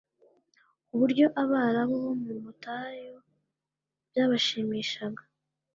ku buryo Abarabu bo mu butayu byabashimishaga